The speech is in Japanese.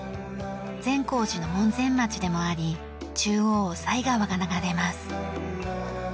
善光寺の門前町でもあり中央を犀川が流れます。